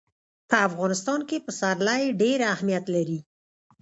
په افغانستان کې پسرلی ډېر اهمیت لري.